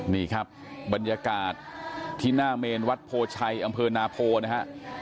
นี่ครับบรรยากาศที่หน้าเมนวัดโพชัยอำเภอนาโพนะฮะ